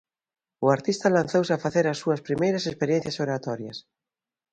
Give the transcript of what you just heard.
O artista lanzouse a facer as súas primeiras experiencias oratorias.